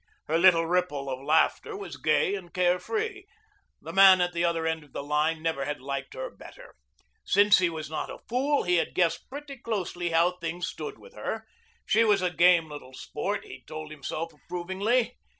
Her little ripple of laughter was gay and care free. The man at the other end of the line never had liked her better. Since he was not a fool he had guessed pretty closely how things stood with her. She was a game little sport, he told himself approvingly.